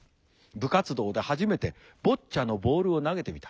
部活動で初めてボッチャのボールを投げてみた。